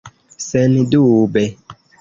Sendube!